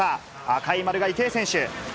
赤い丸が池江選手。